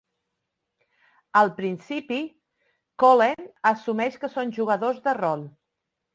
Al principi, Colleen assumeix que són jugadors de rol.